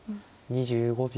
２５秒。